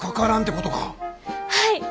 はい！